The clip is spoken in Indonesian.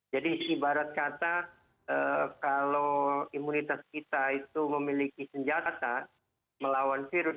jadi ibarat kata kalau imunitas kita itu memiliki senjata melawan virus